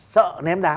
sợ ném đá